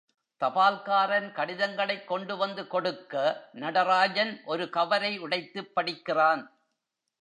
தபால்காரன் கடிதங்களைக் கொண்டு வந்து கொடுக்க நடராஜன் ஒரு கவரை உடைத்துப் படிக்கிறான்.